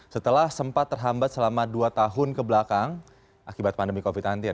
setelah sempat terhambat selama dua tahun kebelakang akibat pandemi covid sembilan belas